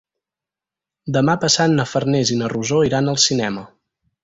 Demà passat na Farners i na Rosó iran al cinema.